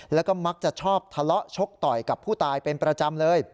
แล้วก็มักจะชอบทะเลาะชกต่อยกับผู้ตายเป็นประจำเลย